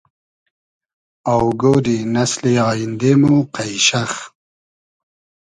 آوگۉۮی نئسلی آییندې مۉ قݷشئخ